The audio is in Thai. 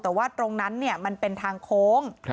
แต่ว่าตรงนั้นมันเป็นทางโค้ง